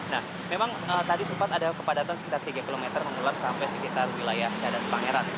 nah memang tadi sempat ada kepadatan sekitar tiga km mengular sampai sekitar wilayah cadas pangeran